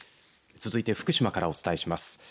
続いて福島からお伝えします。